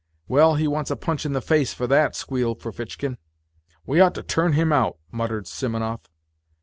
" Well, he wants a punch in the face for that," squealed Ferfitchkin. " We ought to turn him out," muttered Simonov.